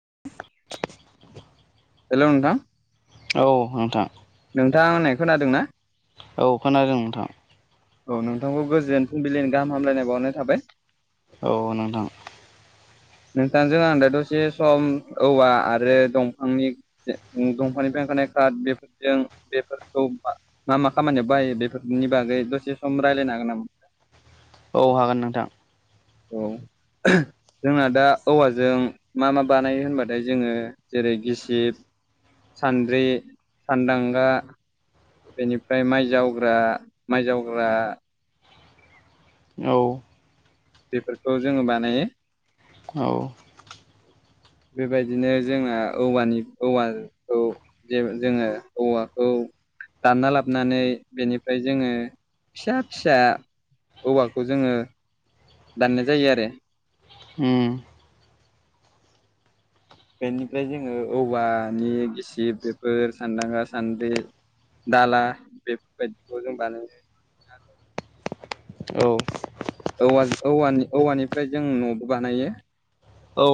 [inaudible] Hello नोंथां। औ नोंथां। नोंथां आं होननायखो खोनादों ना। औ खोनादों नोंथां। औ नोंथांखौ गोजोन फुंबिलिनि गाहाम हामलायनाय बावहरनाय थाबाय। औ नोंथां। [inaudible] नोंथांजों आं दा दसे सम औवा आरो दंफांनि जे दंफांनिफ्राय ओंखारनाय बेसाद बेफोरजों बेफोरखौ मा मा खामानियाव बाहायो बेफोरनि बागै दसे सम रायलायनो हागोन नामा औ हागोन नोंथां औ जोंना दा औवाजों मा मा बानायो होनबाथाय जोङो जेरै गिसिब सान्द्रि सानदांगा बेनिफ्राय माइ जावग्रा माइ जावग्रा औ बेफोरखौ जोङो बानायो औ बेबायदिनो जोंना औवानि औवाखौ जे जोङो औवाखौ दानना लाबोनानै बेनिफ्राय जोङो फिसा फिसा औवाखौ जोङो दाननाय जायो आरो ओम बेनिफ्राय जोङो औवानि गिसिब बेफोर सान्दांगा सान्द्रि दाला बेफोरबायदिखौ जों बानायनाय [inaudible] औ औवा औवानि औवानिफ्राय जों न'बो बानायो औ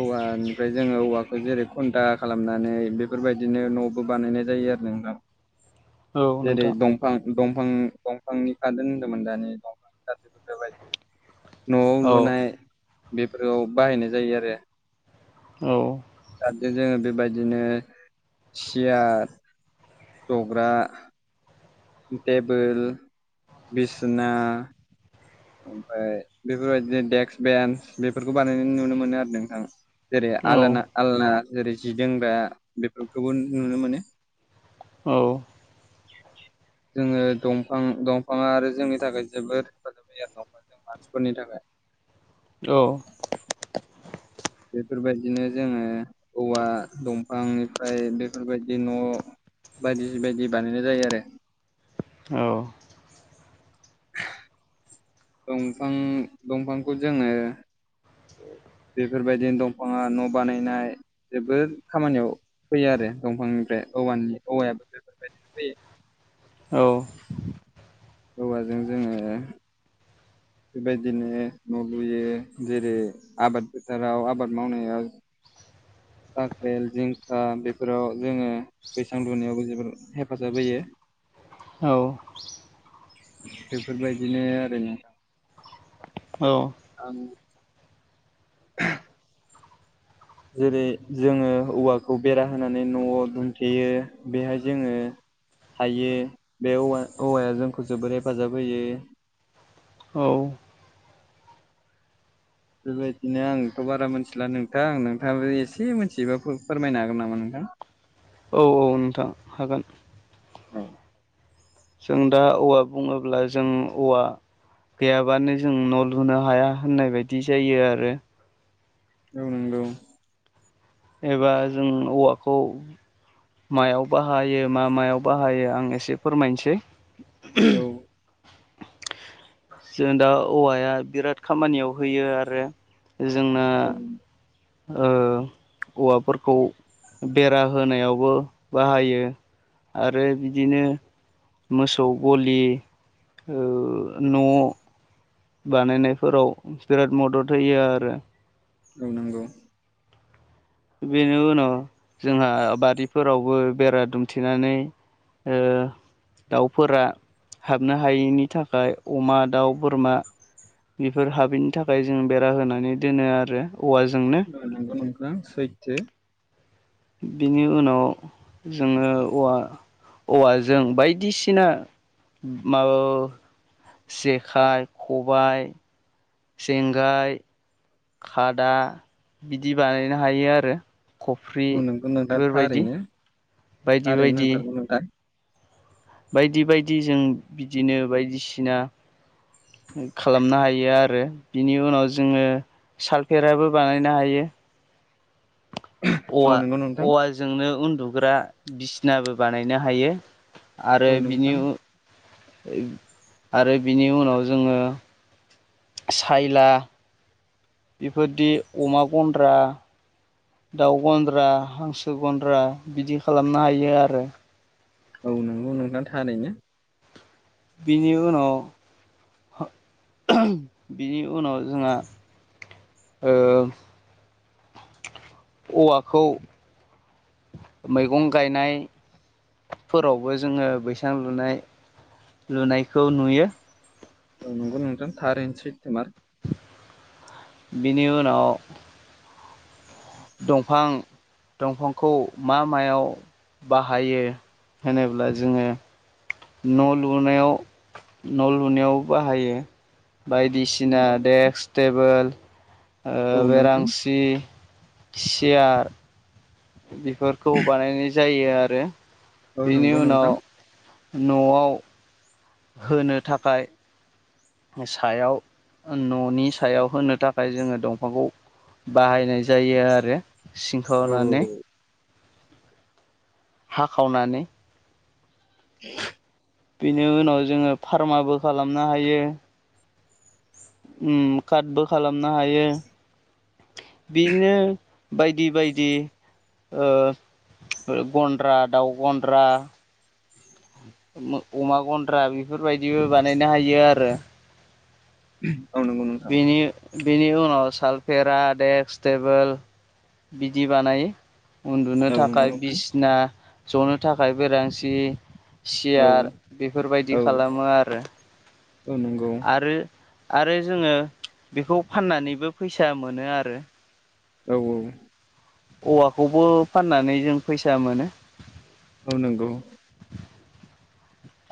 औवा ओमफ्राय जोङो औवाखौ जेरै खुन्था खालामनानै बेफोरबायदिनो न'बो बानायनाय जायो जायो आरो नोंथां औ जेरै नोंथां दंफां दंफां दंफांनि गाजोल होन्दोंमोन दानि दंफांनि गाजोल बायदि न'वाव औ लुनाय बेफोराव बाहायनाय जायो आरो औ आरो जोङो बेबायदिनो सियार जग्रा टेबोल, बिसोना ओमफाय बेफोरबायदिनो देक्स बेन्स बेफोरखौ बानायनाय नुनो मोनो आरो नोंथां। जेरै औ आलाना आलना जेरै जि दोनग्रा बेफोरखौबो नुनो मोनो। औ जोङो दंफां दंफाङा आरो जोंनि थाखाय जोबोद हेफाजाब [unintelligible] जों मानसिफोरनि थाखाय। औ बेफोरबायदिनो जोङो औवा दंफांनिफ्राय बेफोरबायदि न' बायदि बायदि बानायनाय जायो आरो। औ दंफां दंफांखौ जोङो बेफोरबादिनो दंफाङा न' बानायनाय जोबोद खामानियाव फैयो आरो दंफांनि फ्राय औवानि औवायाबो बेफोरबायदिनो फैयो। औ। औवाजों जोङो बेबायदिनो न' लुयो। जेरै आबाद फोथाराव आबाद मावनायाव काख्रेल जिंखा बेफोराव जोङो बैसां लुनायावबो जोबोर हेफाजाब होयो। औ। बेफोरबायदिनो आरो नोंथां। औ। आंनि जेरै जोङो औवाखौ बेरा होनानै न'वाव दुमथेयो बेहाय जोङो हायो बे औवा औवाया जोंखौ जोबोर हेफाजाब होयो। औ बेबायदिनो आंथ' बारा मिथिला नोंथां। नोंथाङाबो एसे मोनथिबा फोर-फोरमायनो हागोन नामा नोंथां? [inaudible] औ औ नोंथां हागोन। औ। सों दा औवा बुङोब्ला जों औवा गैयाबानो जों न' लुनो हाया होननाय बायदि जायो आरो। औ नोंगौ। एबा जों औवाखौ मायाव बाहायो मा मायाव बाहायो आं एसे फोरमायनसै। औ जों दा औवाया बिराद खामानियाव होयो आरो। जोंना [inaudible] ओ औवाफोरखौ बेरा होनायावबो बाहायो। आरो बिदिनो मोसौ गलि ओ न' बानायनायफोराव बिराद मदद होयो आरो। औ नोंगौ। बेनि उनाव जोंहा बारिफोरावबो बेरा दुमथेनानै ओ दाउफोरा हाबनो हायैनि थाखाय अमा, दाउ, बोरमा बिफोर हाबैनि थाखाय जों बेरा होनानै दोनो आरो। औवाजोंनो औ नोंगौ नोंथां सैथो। बिनि उनाव जोङो औवा औवाजों बायदिसिना मावो। जेखाइ, खबाय, जेंगाय खादा बिदि बानायनो हायो आरो। खफ्रि औ नंगौ नोंथां बेफोरबायदि थारैनो बायदि थारैनो बायदि नोंथारगौ नोंथां। बायदि बायदि जों बिदिनो बायदिसिना खालामनो हायो आरो। बिनि उनाव जोङो सालफेराबो बानायनो हायो। औ अवा नंगौ नोंथां अवाजोंनो उन्दुग्रा बिसिनाबो बानायनो हायो। आरो औ बिनि नोंथां उ आरो बिनि उनाव जोङो साइला बेफोरदि अमा गन्द्रा दाउ गन्द्रा, हांसो गन्द्रा बिदि खालामनो हायो आरो। औ नोंगौ नोंथां थारैनो। बिनि उनाव [unintelligible] बिनि उनाव जोंहा ओ अवाखौ मैगं गायनाय फोरावबो जोङो बैसां लुनाय लुनायखौ नुयो। औ नंगौ नोंथां थारैनो सैथोमार। बिनि उनाव दंफां दंफांखौ मा मायाव बाहायो होनोब्ला जोङो न' लुनायाव न' लुनायावबो बाहायो। बायदिसिना नंगौ देक्स टेबोल औ ओ नोंथां बेरांसि, सियार बेफोरखौ बानायनाय जायो आरो। औ बेनि नोंगौ उनाव नोंथां। न'आव होनो थाखाय सायाव न'नि ओ सायाव होनो थाखाय जोङो दंफांखौ बाहायनाय जायो आरो औ सिंखावनानै। हाखावनानै [inaudible] बिनि उनाव जोङो फार्माबो खालामनो हायो। उम कादबो खाला मनो हायो। बिदिनो बायदि बायदि ओ ओ गनद्रा दाउ गनद्रा मो अमा गनद्रा बेफोरबायदिबो बानायनो हायो आरो। औ नंगौ नोंथां। बेनि बेनि उनाव सालफेरा, डेक्स, टेबोल बिदि बानायो। उनदुनो औ नंगौ थाखाय नोंथां बिसना, जनो थाखाय बेरांसि औ सियार बेफोरबायदि औ खालामो आरो। औ नांगौ आरो आरो जोङो बेखौ फाननानैबो फैसा मोनो आरो। औ औ। औवाखौबो फाननानै जों फैसा मोनो। औ नोंगौ।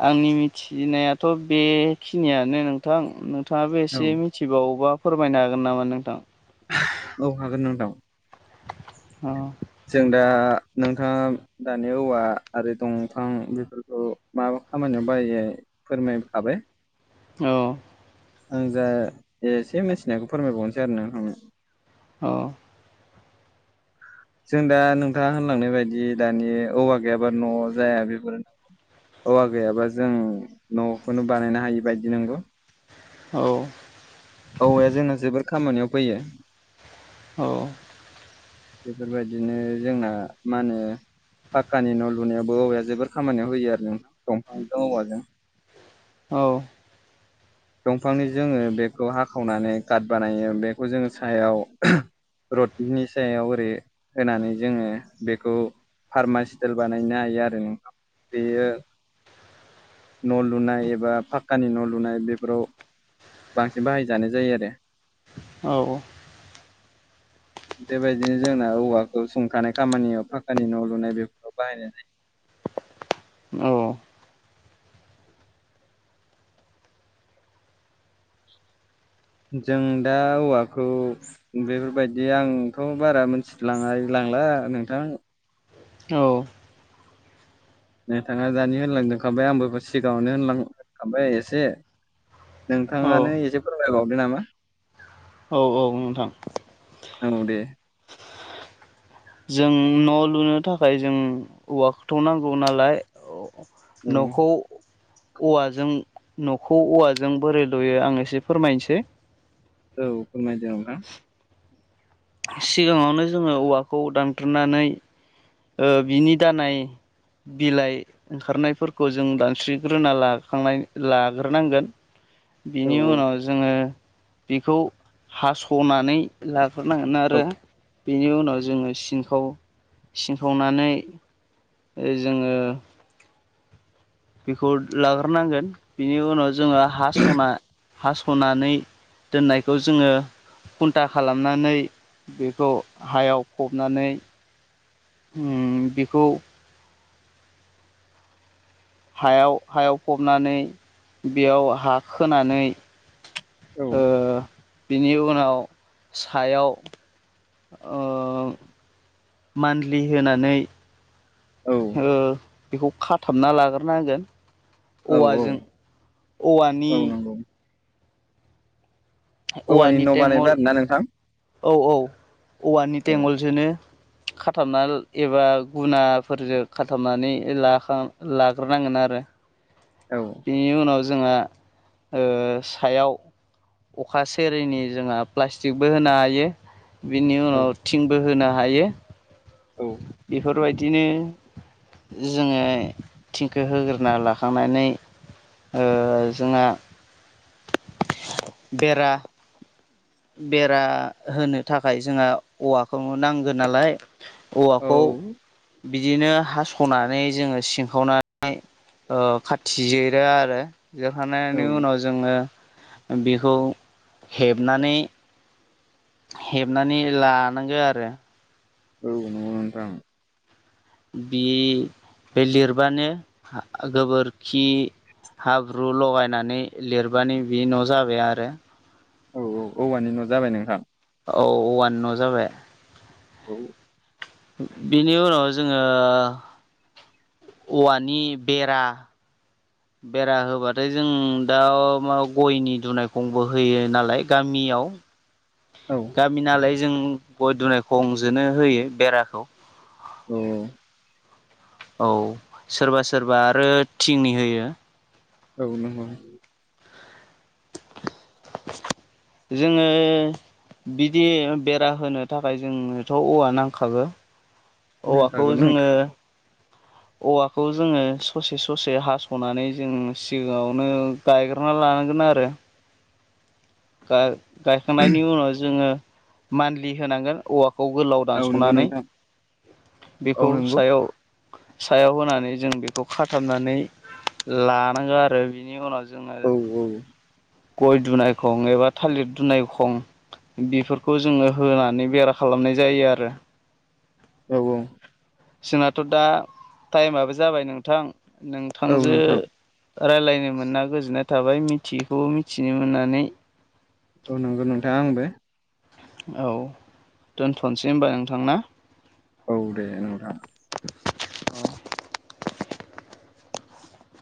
आंनि मिथिनायाथ' बेखिनियानो नोंथां नो थाङाबो औ एसे मिथिबावोबा फोरमायनो हागोन नामा नोंथां। औ हागोन नोंथां। अ‌ जों दा नोंथाङा दानि औवा आरो दंफां बेफोरखौ मा खामानियाव बाय फोरमायखाबाय औ आं जा एसे मोनथिनायखौ फोरमायबावनोसै आरो नोंथांनो औ जों दा नोंथाङा होनलांनाय बायदि दानि औवा गैयाबा न' जाया बेफोर औवा गैयाबा जों न'खौनो बानायनो हायि बायदि नंगौ। औ औवाया जोंना जोबोर खामानियाव फैयो। औ बेफोरबायदिनो जोंना मा होनो फाक्कानि न' लुनायावबो औवाया जोबोर खामानियाव होयो आरो नोंथां दंफांजों औवाजों औ दंफांनि जोङो बेखौ हाखावनानै काट बानायो बेखौ जोङो सायाव रडनि सायाव ओरै होनानै जोङो बेखौ फार्मास्टेल बानायनो हायो आरो नोंथां बेयो न' लुनाय एबा फाखकानि न' लुनाय बे बेफोराव बांसिन बाहायजानाय जायो आरो औ औ [inaudible] बेबायदिनो जोंना औवाखौ सुंखानाय खामानियाव फाखानि न' लुनाय बेफोराव बाहायनाय जायो। औ जों दा औवाखौ बेफोरबायदि आंथ' बारा मिथिलाङा नांला नोंथां औ नोंथाङा दानि होनलांखाबाय आंबो सिगाङावनो होनलांखाबाय एसे औ नोंथांङानो एसे फोरमायबावदो नामा? औ औ नोंथां औ दे जों न' लुनो थाखाय जों औवाखौ थ' नांगौ नालाय औ न'खौ औवाजों न'खौ औवाजों बोरै लुयो आं एसे फोरमायनोसै औ फोरमायदो आरो ना सिगांङावनो जोंङो औवाखौ दानथ्रुनानै ओ बिनि दानाय बिलाइ ओंखारनायफोरखौ जों दानस्रिग्रोना लाखांनाय लाग्रोनांगोन [inaudible] बिनि उनाव जोंङो बेखौ हास'नानै ला हरनांगोन औ आरो बेनि उनाव जोङो सिनखाव सिनखावनानै जोंङो बेखौ लाग्रोनांगोन बिनि उनाव जोङो हा स'ना हास'नानै दोननायखौ जोंङो खुन्था खालामनानै बेखौ हायाव फबनानै बेखौ हायाव हायाव फबनानै बेयाव हा खोनानै औ ओ बिनि उनाव सायाव ओ मान्थलि होनानै औ बेखौ खाथाबना लाग्रोनांगोन। औ औ औवाजों औवानि औ नंगौ औवानि न' बानायबाय आरोना नोंथां। औ औ औवानि औ गलसो खाथाबना एबा गुनाफोरजों खाथाबनानै लाां लाग्रोनांगोन आरो औ आरो बेनि उनाव जोंहा सायाव अखा सेरिनि जोंहा प्लास्टिकबो होनो हायो। बिनि औ उनाव थिंबो होनो हायो औ बेफोरबायदिनो जोंङो थिंखो होग्रोना लाखांनानै जोंहा बेरा बेरा होनो थाखाय जोंहा औवाखौनो नांगौ नालाय औ औवाखौ बिदिनो हास'नानै जोंङो सिनखावनानै खाथि जिरो आरो जेरखांनायनि औ उनाव जोंङो बेखौ हेबनानै हेबनानै लानांगौ आरो औ नंगौ आं बे बे लिरबानो गोबोरखि हाब्रु लगायनानै लिरबानो बे न' जाबाय आरो औ औ औवानि न' जाबाय नोंहा औवा न' जाबाय औ बिनि उनाव जोंङो औवानि बेरा बेरा होबाथाय जों दा म गयनि दुनायखौंबो होयो नालाय गामिनि मियाव औ गामि नालाय जों गय दुनाय खंजोंननो होयो बेराखौ औ औ सोरबा सोरबा आरो थिंनि होयो औ नंगौ [inaudible] जोङो बिदि बेरा होनो थाखाय जोंनोथ' औवा नांखागो औवाखौ नांखागौ जोङो नोंथां औवाखौ जोङो ससे ससे हास'नानै जों सिगाङावनो गायग्रोनना लायो लानांगोन आरो गायखांनायनि उनाव जोङो मानदिलि होनांगोन औवाखौ खौ गोलाव औ नंगौ दानस'नानै नोंथां औ बेखौ नंगौ सायाव सायाव होनानै जों बेखौ खाथाबनानै लानांगौ आरो बिनि उनाव जों औ औ गय दुनाय खं एबा थालिर दुनाय खं बेफोरखौ जोङो होनानै बेरा खालामनाय जायो आरो औ औ जोंनाथ' दा टाइमाबो जाबाय नोंथां औ नोंथांजो नोंथां रायज्लायनो मोना गोजोननाय थाबाय मिथियैखौबो मिथिनो मोननानै औ नंगौ नोंथाङा आंबो औ दोनथ'नोसै होनबा नोंथां ना औ दे नोंथां [inaudible]